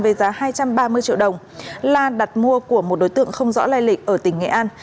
với giá hai trăm ba mươi triệu đồng lan đặt mua của một đối tượng không rõ lai lịch ở tỉnh nghệ an